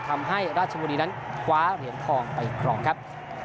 ทำให้ราชบุรีนั้นคว้าเหรียญทองไปครองครับ